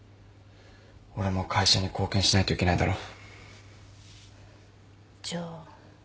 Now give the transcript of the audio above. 俺も会社に貢献しないといけないだろ？